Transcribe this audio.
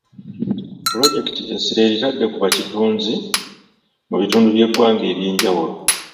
Pulojekiti essira eritadde ku bakitunzi mu bitundu by'eggwanga eby'enjawulo.